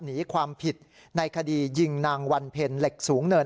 หนีความผิดในคดียิงนางวันเพ็ญเหล็กสูงเนิน